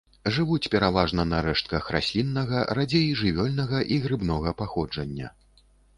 Жывуць пераважна на рэштках расліннага, радзей жывёльнага і грыбнога паходжання.